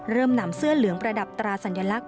นำเสื้อเหลืองประดับตราสัญลักษณ